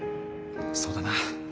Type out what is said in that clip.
そうだな。